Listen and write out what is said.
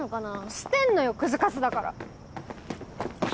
してんのよクズカスだから！